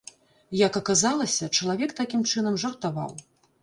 Як аказалася, чалавек такім чынам жартаваў.